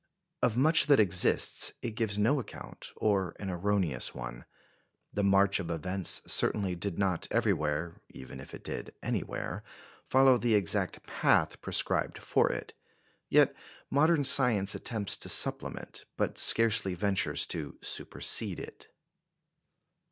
Of much that exists it gives no account, or an erroneous one. The march of events certainly did not everywhere even if it did anywhere follow the exact path prescribed for it. Yet modern science attempts to supplement, but scarcely ventures to supersede it.